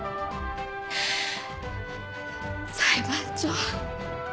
裁判長。